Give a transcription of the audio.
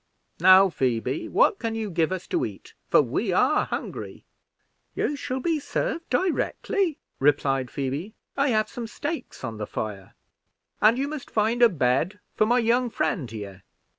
Now, Phoebe, what can you give us to eat, for we are hungry?" "You shall be served directly," replied Phoebe. "I have some steaks on the fire." "And you must find a bed for my young friend here."